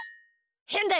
へんだよ。